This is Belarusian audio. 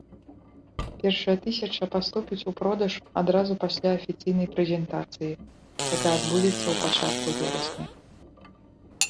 Першая тысяча паступіць у продаж адразу пасля афіцыйнай прэзентацыі, якая адбудзецца ў пачатку верасня.